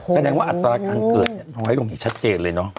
แสดงว่าอัตราการเกิดไว้ลงให้ชัดเจนเลยเนาะ